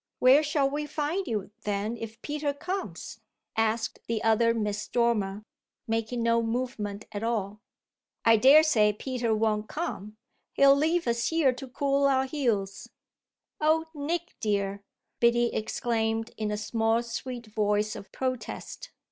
"Where shall we find you, then, if Peter comes?" asked the other Miss Dormer, making no movement at all. "I daresay Peter won't come. He'll leave us here to cool our heels." "Oh Nick dear!" Biddy exclaimed in a small sweet voice of protest.